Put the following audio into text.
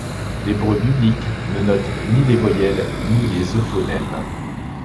L’hébreu biblique ne note ni les voyelles ni les euphonèmes.